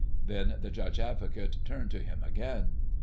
Then the Judge Advocate turned to him again.